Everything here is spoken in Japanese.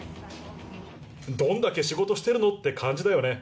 どんだけ仕事してるのって感じだよね。